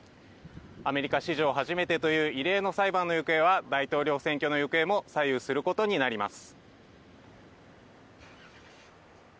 アメリカ史上初めてという異例の裁判の行方は大統領選挙の行方も左右することになります。